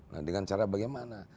nah dengan cara bagaimana